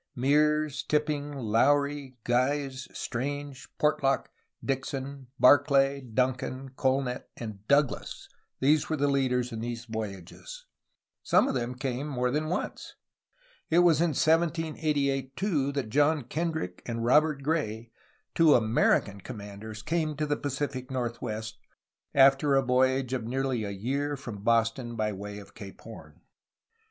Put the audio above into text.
Meares, Tipping, Lowrie, Guise, Strange, Portlock, Dixon, Barclay, Duncan, Colnett, and Douglas were the leaders in these voyages; some of them came more than once. It was in 1788, too, that John Kendrick and Robert Gray, two 343 344 A HISTORY OF CALIFORNIA American commanders, came to the Pacific northwest, after a voyage of nearly a year from Boston by way of Cape Horn.